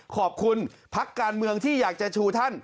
ขอบคุณพักการเมืองที่อยากจะชูท่าน